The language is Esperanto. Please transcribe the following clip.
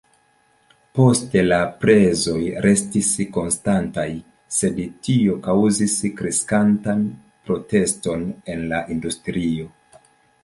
Poste la prezoj restis konstantaj, sed tio kaŭzis kreskantan proteston el la industrio.